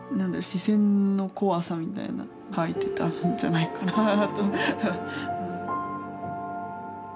視線の怖さみたいな描いてたんじゃないかなあと。